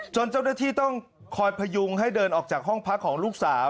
เจ้าหน้าที่ต้องคอยพยุงให้เดินออกจากห้องพักของลูกสาว